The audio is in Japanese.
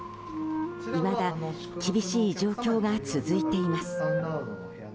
いまだ厳しい状況が続いています。